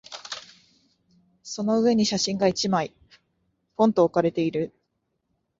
その上に写真が一枚、ぽんと置かれている。